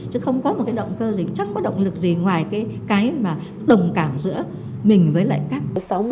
chứ không có một động cơ gì chắc có động lực gì ngoài cái mà đồng cảm giữa mình với lại các em